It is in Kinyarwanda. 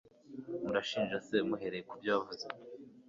muranshinja se muhereye ku byo navuze